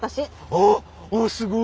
あっおっすごい。